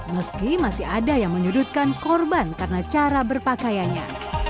meski masih ada yang menyudutkan korban karena cara berpakaiannya